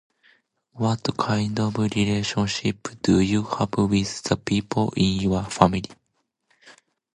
What kind of relationship do you have with the people in your family?